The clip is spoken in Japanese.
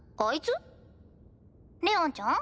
レオンちゃん？